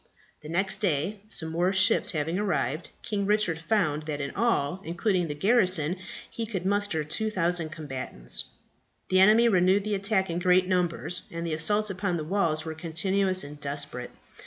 The next day, some more ships having arrived, King Richard found that in all, including the garrison, he could muster 2000 combatants. The enemy renewed the attack in great numbers, and the assaults upon the walls were continuous and desperate.